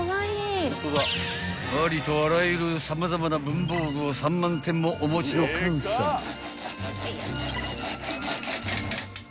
［ありとあらゆる様々な文房具を３万点もお持ちの菅さん］